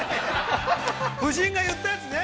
◆夫人が言ったやつね。